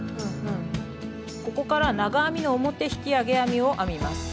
ここから長編みの表引き上げ編みを編みます。